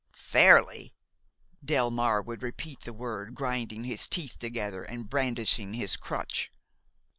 "Fairly?" Delmare would repeat the word, grinding his teeth together and brandishing his crutch.